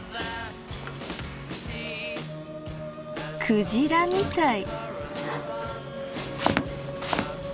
クジラみたい。